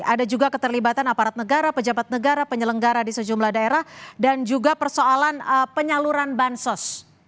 ada juga keterlibatan aparat negara pejabat negara penyelenggara di sejumlah daerah dan juga persoalan penyaluran bansos